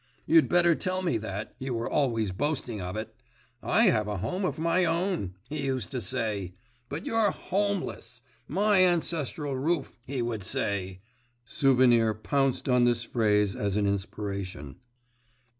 you'd better tell me that, you were always boasting of it. "I have a home of my own," he used to say, but you're homeless. "My ancestral roof," he would say.' Souvenir pounced on this phrase as an inspiration.